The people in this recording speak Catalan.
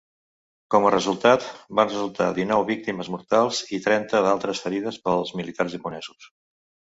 Com a resultat van resultar dinou víctimes mortals i trenta d'altres ferides pels militars japonesos.